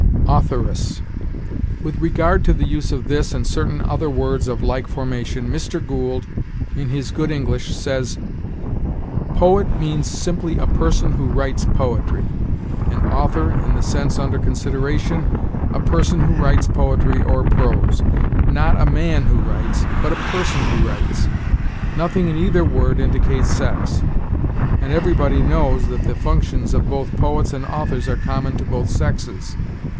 AUTHORESS. With regard to the use of this and certain other words of like formation, Mr. Gould, in his "Good English," says: "Poet means simply a person who writes poetry; and author, in the sense under consideration, a person who writes poetry or prose not a man who writes, but a person who writes. Nothing in either word indicates sex; and everybody knows that the functions of both poets and authors are common to both sexes.